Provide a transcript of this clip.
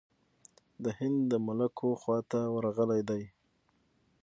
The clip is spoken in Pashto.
د هند د ملوکو خواته ورغلی دی.